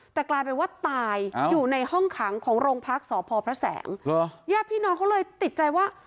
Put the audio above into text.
แต่กลายเป็นว่าตายอยู่ในห้องขังของโรงพักษพพระแสงญาติพี่น้องเขาเลยติดใจว่า